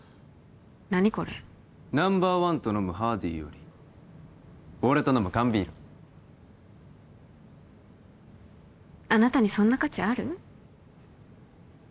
何これナンバーワンと飲むハーディーより俺と飲む缶ビールあなたにそんな価値ある？